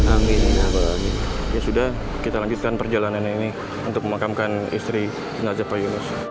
amin ya sudah kita lanjutkan perjalanan ini untuk memakamkan istri nazafayunus